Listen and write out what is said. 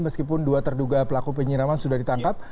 meskipun dua terduga pelaku penyiraman sudah ditangkap